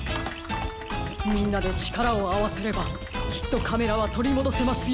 みんなでちからをあわせればきっとカメラはとりもどせますよ。